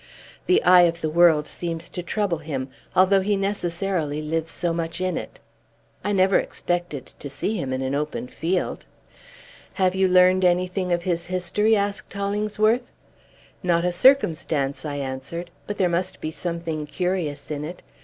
The eye of the world seems to trouble him, although he necessarily lives so much in it. I never expected to see him in an open field." "Have you learned anything of his history?" asked Hollingsworth. "Not a circumstance," I answered; "but there must be something curious in it.